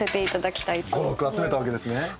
語録集めたわけですね。